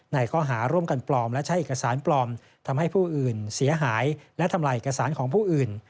ข้อหาร่วมกันปลอมและใช้เอกสารปลอมทำให้ผู้อื่นเสียหายและทำลายเอกสารของผู้อื่น